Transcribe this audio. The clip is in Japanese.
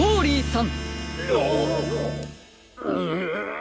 ん！